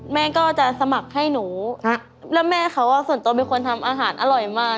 แม่ก็จะสมัครให้หนูแล้วแม่เขาส่วนตัวเป็นคนทำอาหารอร่อยมาก